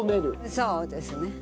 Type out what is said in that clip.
そうですね。